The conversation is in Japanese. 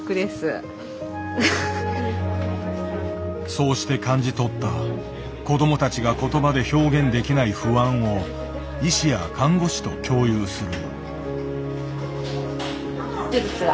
そうして感じ取った子どもたちが言葉で表現できない不安を医師や看護師と共有する。